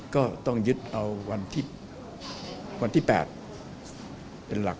ก็ต้องยึดเอาวันที่๘เป็นหลัก